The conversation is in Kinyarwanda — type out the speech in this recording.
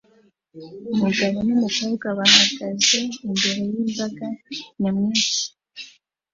Umugabo n'umukobwa bahagaze imbere y'imbaga nyamwinshi